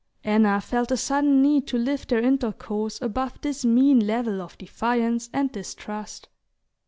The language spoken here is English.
Anna felt the sudden need to lift their intercourse above this mean level of defiance and distrust.